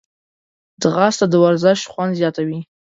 ځغاسته د ورزش خوند زیاتوي